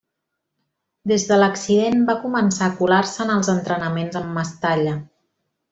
Des de l'accident va començar a colar-se en els entrenaments en Mestalla.